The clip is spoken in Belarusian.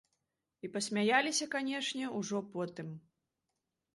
І пасмяяліся, канешне, ужо потым.